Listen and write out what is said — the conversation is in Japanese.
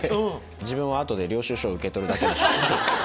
自分は領収書を受け取るだけ。